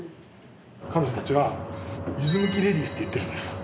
彼女たちは柚子むきレディースって言ってるんです。